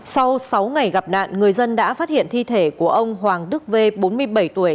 sau sáu ngày gặp nạn người dân đã phát hiện thi thể của ông hoàng đức v bốn mươi bảy tuổi